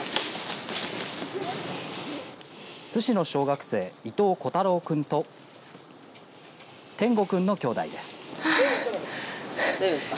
津市の小学生伊藤瑚太郎くんと展梧くんの兄弟です。